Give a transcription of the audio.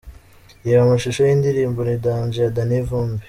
Reba amashusho y'indirimbo 'Ni danger' ya Dany Vumbi.